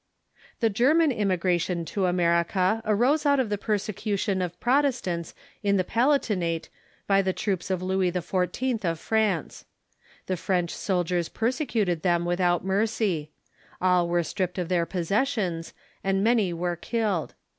The German immigration to America arose out of the perse cution of Protestants in the Palatinate by the troops of Louis XIV. of France. The French soldiers persecuted them with out mercy. All wei'e stripped of their possessions, and many were killed.